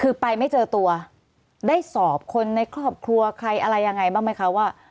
คือไปไม่เจอตัวได้สอบคนในครอบครัวใครอะไรยังไงบ้างไหมคะว่า